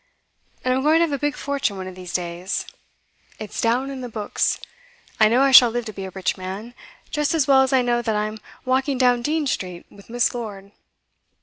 And I'm going to have a big fortune one of these days. It's down in the books. I know I shall live to be a rich man, just as well as I know that I'm walking down Dean Street with Miss. Lord.